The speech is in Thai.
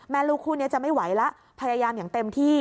ลูกคู่นี้จะไม่ไหวแล้วพยายามอย่างเต็มที่